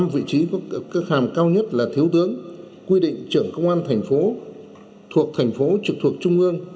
năm vị trí có cập hàm cao nhất là thiếu tướng quy định trưởng công an thành phố thuộc thành phố trực thuộc trung ương